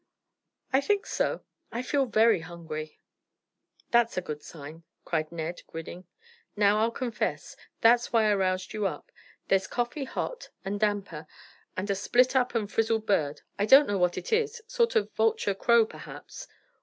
"I think so: I feel very hungry." "That's a good sign," cried Ned, grinning. "Now I'll confess. That's why I roused you up. There's coffee hot, and damper, and a split up and frizzled bird. I don't know what it is. Sort of vulture crow, perhaps."